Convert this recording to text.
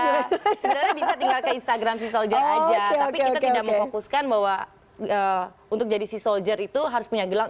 sebenarnya bisa tinggal ke instagram sea soldier aja tapi kita tidak memfokuskan bahwa untuk jadi sea soldier itu harus punya gelang